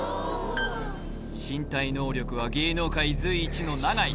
身体能力は芸能界随一の永井